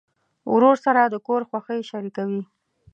ورور سره د کور خوښۍ شریکوي.